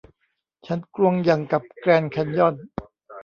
ฉันกลวงอย่างกับแกรนด์แคนยอน